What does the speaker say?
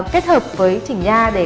kết hợp với chỉnh nha để